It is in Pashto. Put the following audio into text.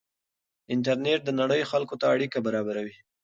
انټرنېټ د نړۍ خلکو ته اړیکه برابروي.